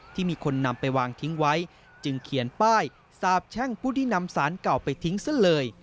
ที่มีคนนำไปวางทิ้งไว้จึงเขียนป้ายสาบแช่งผู้ที่นำสารเก่าไปทิ้งซะเลย